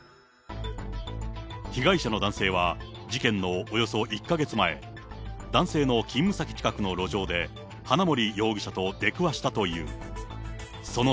被害者の男性は、事件のおよそ１か月前、男性の勤務先近くの路上で、花森容疑者と出くわしたという。